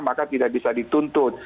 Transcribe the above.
maka tidak bisa dituntut